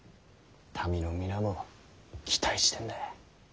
民の皆も期待してんだい。